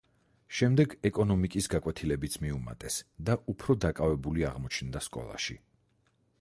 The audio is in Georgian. შემდეგ ეკონომიკის გაკვეთილებიც მიუმატეს და უფრო დაკავებული აღმოჩნდა სკოლაში.